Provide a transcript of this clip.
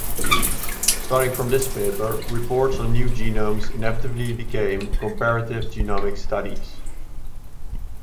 Starting from this paper, reports on new genomes inevitably became comparative-genomic studies.